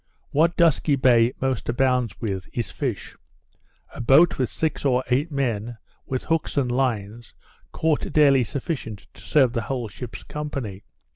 What Dusky Bay most abounds with is fish: A boat with six or eight men, with hooks and lines, caught daily sufficient to serve the whole ship's company.